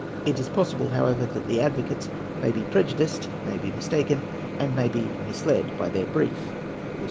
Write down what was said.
It is possible, however, that advocates may be prejudiced, may be mistaken, and may be misled by their brief.